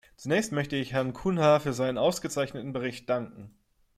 Zunächst möchte ich Herrn Cunha für seinen ausgezeichneten Bericht danken.